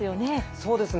そうですね。